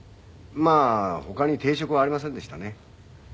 まあ他に定職はありませんでしたね。